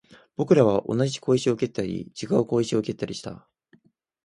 僕らは同じ小石を蹴ったり、違う小石を蹴ったりした